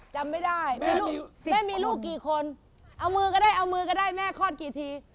จำไม่ได้แม่มีลูกกี่คนเอามือก็ได้แม่คลอดกี่ที